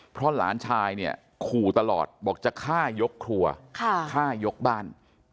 เพราะหลานชายเนี่ยขู่ตลอดบอกจะฆ่ายกครัวฆ่ายกบ้าน